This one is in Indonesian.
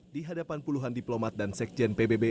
di hadapan puluhan diplomat dan sekjen pbb